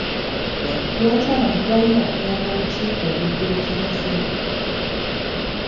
Lwaki abantu balina okuyamba obukiiko obudduukirize?